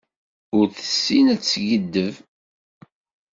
Ur tessin ad teskiddeb.